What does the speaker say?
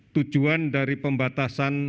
tujuan dari pembatasan sosial bukan dimaknai